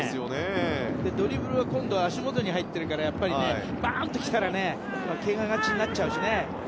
で、ドリブルは今度は足元に入ってるからバーンと来たらけががちになっちゃうしね。